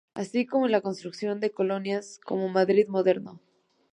Así como en la construcción de colonias como Madrid Moderno.